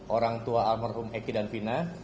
orang tua almarhum eki dan fina